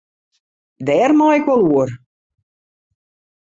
Dêr mei ik wol oer.